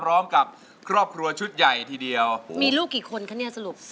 ร้องได้ให้ร้าน